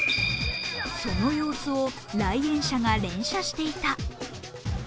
その様子を来園者が連写していた。